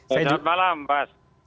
selamat malam pak